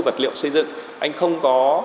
vật liệu xây dựng anh không có